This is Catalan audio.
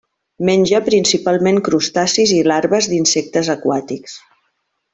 Menja principalment crustacis i larves d'insectes aquàtics.